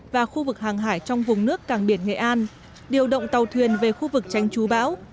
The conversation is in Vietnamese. và khu vực hàng hải trong vùng nước cảng biển nghệ an điều động tàu thuyền về khu vực tranh chú bão